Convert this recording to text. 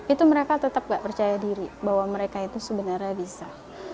itu mereka tetap gak percaya diri bahwa mereka itu sebenarnya bisa